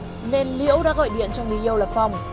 do bức xúc nên liễu đã gọi điện cho người yêu là phong